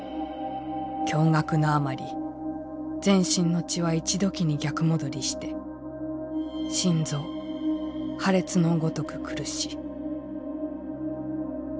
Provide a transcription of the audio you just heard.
驚愕のあまり全身の血は一時に逆戻りして心臓破裂のごとく苦し」。